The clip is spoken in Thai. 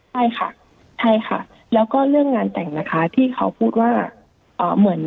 ใช่ค่ะใช่ค่ะแล้วก็เรื่องงานแต่งนะคะที่เขาพูดว่าเหมือน